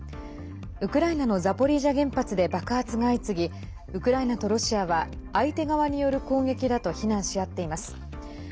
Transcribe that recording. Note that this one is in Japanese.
ウクライナのザポリージャ原発で爆発が相次ぎウクライナとロシアは相手側による攻撃だと非難しあっています。